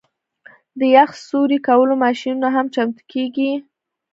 د یخ سوري کولو ماشینونه هم چمتو کیږي